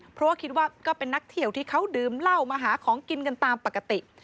เพราะว่าคิดว่าก็เป็นนักเที่ยวที่เขาดื่มเหล้ามาหาของกินกันตามปกติ